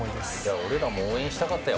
俺らも応援したかったよ。